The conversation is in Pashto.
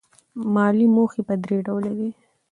مالي موخې په درې ډوله دي.